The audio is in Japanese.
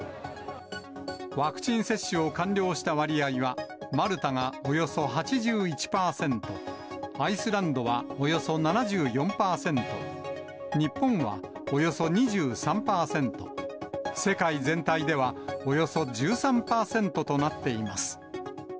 ワクチン接種を完了した割合は、マルタがおよそ８１％、アイスランドはおよそ７４％、日本はおよそ２３％、世界全体ではおよそ１３％となっています。